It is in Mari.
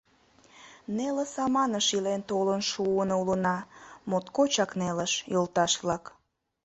Неле саманыш илен толын шуын улына, моткочак нелыш, йолташ-влак!